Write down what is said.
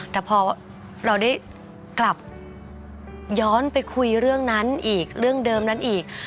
แต่พอเราได้กลับย้อนไปคุยเรื่องนั้นอีกเรื่องเดิมนั้นอีก